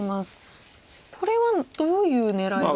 これはどういう狙いが。